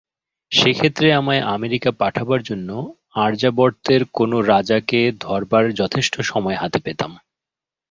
সে ক্ষেত্রে আমায় আমেরিকা পাঠাবার জন্য আর্যাবর্তের কোন রাজাকে ধরবার যথেষ্ট সময় হাতে পেতাম।